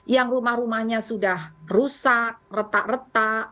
yang rumah rumahnya sudah rusak retak retak